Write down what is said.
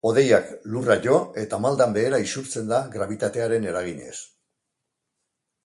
Hodeiak lurra jo eta maldan behera isurtzen da grabitatearen eraginez.